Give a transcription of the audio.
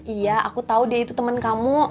iya aku tahu dia itu teman kamu